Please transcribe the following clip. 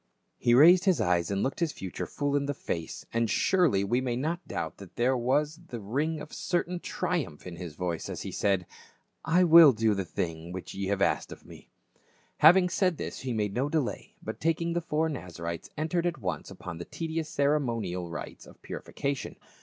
* He raised his eyes and looked his future full in the face, and surely we may not doubt that there was the ring of certain triumph in his voice as he said, " I will * I. Cor. ix., 19 23 ; and John xiii., 14. "DESPISED AND REJECTED." 386 do the thing which ye have asked of me." Having said this he made no delay, but taking the four Naza rites entered at once upon the tedious ceremonial rites of purification.